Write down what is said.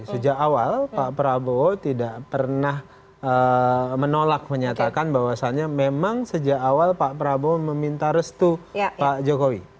sejak awal pak prabowo tidak pernah menolak menyatakan bahwasannya memang sejak awal pak prabowo meminta restu pak jokowi